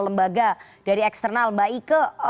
lembaga dari eksternal mbak ike